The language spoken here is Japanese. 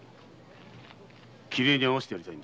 桐江に会わせてやりたいんだ。